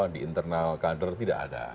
di internal kader tidak ada